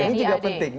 ini juga penting